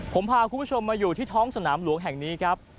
ผมพาคุณผู้ชมมาอยู่ที่ท้องสนามหลวงแห่งนี้ครับ